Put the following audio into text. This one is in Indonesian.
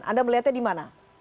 anda melihatnya di mana